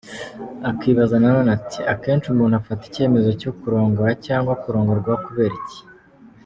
Akibaza na none ati “Akenshi umuntu afata icyemezo cyo kurongora cyangwa kurongorwa kubera iki?”.